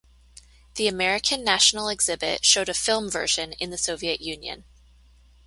The American National Exhibit showed a film version in the Soviet Union.